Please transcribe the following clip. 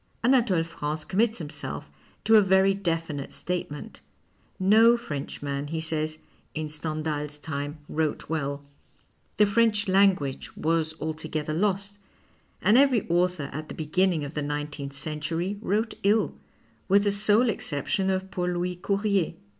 xVnatole France commits himself to a very definite statement. No Frenchman, he says, in Stendhals time wrote well, the French language was altogether lost, and every author at the beginning of the nineteenth century wrote ill, with the sole exception of Paul Louis Courier.